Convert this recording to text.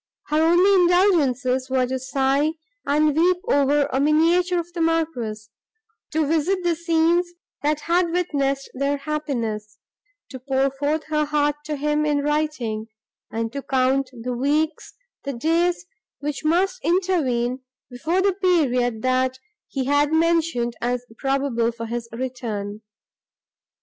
Her only indulgences were to sigh and weep over a miniature of the Marquis; to visit the scenes, that had witnessed their happiness, to pour forth her heart to him in writing, and to count the weeks, the days, which must intervene before the period that he had mentioned as probable for his return.